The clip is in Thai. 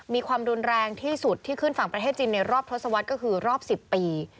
มีความรุนแรงที่สุดที่ขึ้นฝั่งประเทศจีนในรอบทศวรรษก็คือรอบ๑๐ปี